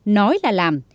nói là làm